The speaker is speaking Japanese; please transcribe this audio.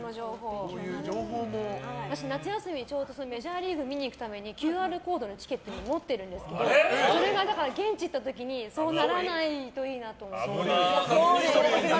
私、ちょうど夏休みにメジャーリーグを見に行くためにＱＲコードのチケットも持ってるんですけどそれが現地行った時にそうならないといいなって。